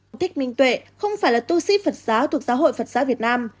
ông thích minh tuệ không phải là tu sĩ phật giáo thuộc giáo hội phật giáo việt nam